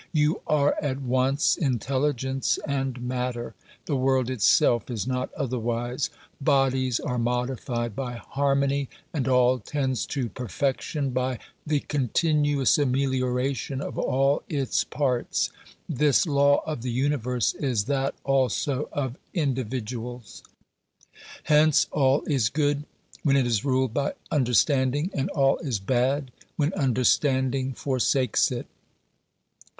You are at once intelligence and matter. The world itself is not otherwise. Bodies are modified by harmony, and all tends to perfection by the continuous amelioration of all its parts. This law of the universe is that also of individuals. ••••*•• Hence all is good when it is ruled by understanding, and all is bad when understanding forsakes it.